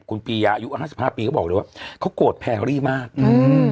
คุณปียะอายุห้าสิบห้าปีเขาบอกเลยว่าเขาโกรธแพรรี่มากอืม